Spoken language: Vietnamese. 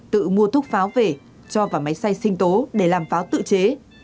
tự mua thuốc pháo về cho vào máy xay sinh tố để làm pháo tự chế